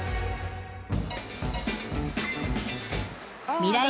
［ミライ☆